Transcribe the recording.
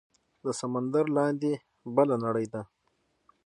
د سمندر لاندې بله نړۍ ده